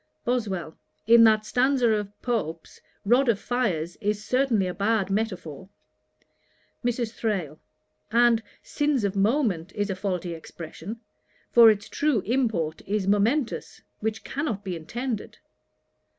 BOSWELL. 'In that stanza of Pope's, "rod of fires" is certainly a bad metaphor.' MRS. THRALE. 'And "sins of moment" is a faulty expression; for its true import is momentous, which cannot be intended.'